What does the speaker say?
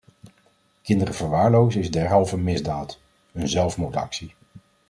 Kinderen verwaarlozen is derhalve een misdaad, een zelfmoordactie.